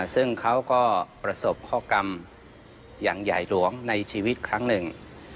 ซึ่งเขาก็ประสบข้อกรรมอย่างใหญ่หลวงในชีวิตครั้งหนึ่ง